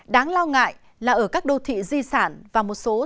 đáng lo ngại là ở các đô thị di sản và một số thành phố phát triển